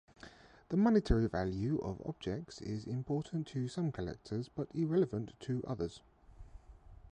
The monetary value of objects is important to some collectors but irrelevant to others.